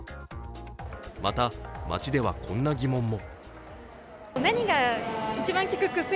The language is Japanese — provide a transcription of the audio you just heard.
また、街ではこんな疑問も。